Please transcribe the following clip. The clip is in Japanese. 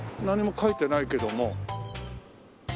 何も書いてないけども。